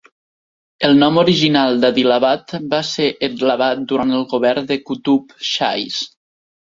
El nom original d'Adilabad va ser Edlabad durant el govern de Qutub Shahis.